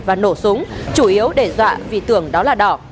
và nổ súng chủ yếu đe dọa vì tưởng đó là đỏ